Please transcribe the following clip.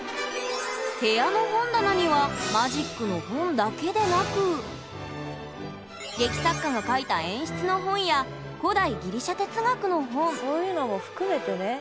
部屋の本棚には劇作家が書いた演出の本や古代ギリシャ哲学の本そういうのも含めてね。